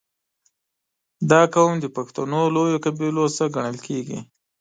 • دا قوم د پښتنو لویو قبیلو څخه ګڼل کېږي.